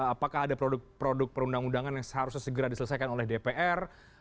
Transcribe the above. apakah ada produk perundang undangan yang seharusnya segera diselesaikan oleh dpr